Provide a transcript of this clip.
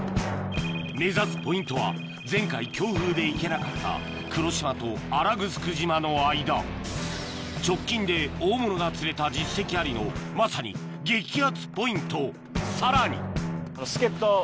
目指すポイントは前回強風で行けなかった黒島と新城島の間直近で大物が釣れた実績ありのまさに激アツポイントさらに助っ人を。